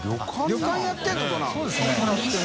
旅館やってるのかな？